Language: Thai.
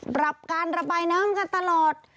ปรับการระบายน้ำกันตลอด